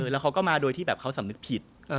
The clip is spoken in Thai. แล้วเขาก็มาโดยที่แบบเขาสำนึกผิด